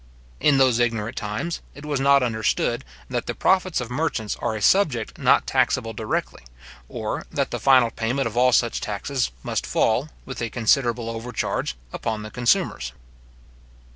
In those ignorant times, it was not understood, that the profits of merchants are a subject not taxable directly; or that the final payment of all such taxes must fall, with a considerable overcharge, upon the consumers.